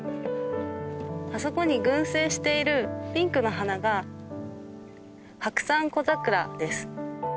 あそこに群生しているピンクの花がハクサンコザクラです。